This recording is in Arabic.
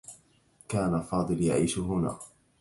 كان فاضل يعيش هنا.